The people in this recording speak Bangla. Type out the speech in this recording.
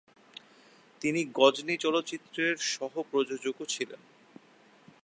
তিনি গজনী চলচ্চিত্রের সহ-প্রযোজকও ছিলেন।